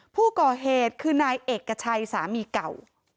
ผู้ก่อเหตุคือนายเอกชัยสามีเก่า